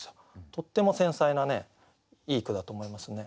とっても繊細なねいい句だと思いますね。